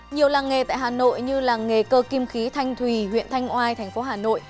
nhiều làng nghề tại hà nội như làng nghề cơ kim khí thanh thùy huyện thanh oai thành phố hà nội